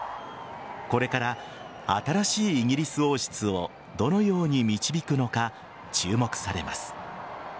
これから新しいイギリス王室をどのように導くのか注目されます。